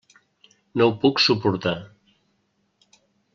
No ho puc suportar.